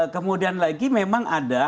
kemudian lagi memang ada